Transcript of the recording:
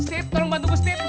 steep tolong bantu gua steep